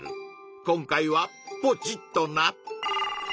今回はポチッとな！